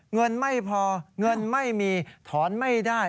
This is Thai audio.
เงินไม่พอเงินไม่มีถอนไม่ได้